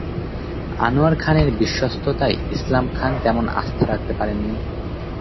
আনোয়ার খানের বিশ্বস্ততায় ইসলাম খান তেমন আস্থা রাখতে পারেন নি।